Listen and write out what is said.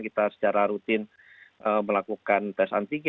kita secara rutin melakukan tes anti gantung